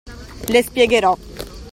Le spiegherò.